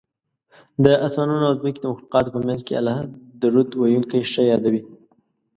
د اسمانونو او ځمکې د مخلوقاتو په منځ کې الله درود ویونکی ښه یادوي